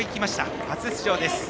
初出場です。